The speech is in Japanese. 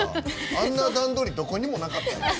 あんな段取りどこにもなかった。